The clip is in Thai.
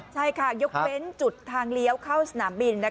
ใช่ค่ะยกเว้นจุดทางเลี้ยวเข้าสนามบิน